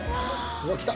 うわっきた！